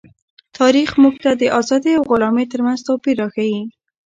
تاریخ موږ ته د آزادۍ او غلامۍ ترمنځ توپیر راښيي.